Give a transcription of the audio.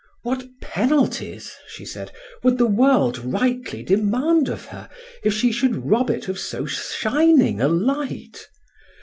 What penalties, she said, would the world rightly demand of her if she should rob it of so shining a light!